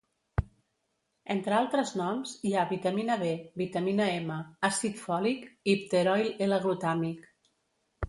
Entre altres noms hi ha vitamina B, vitamina M, àcid fòlic i pteroil-L-glutàmic.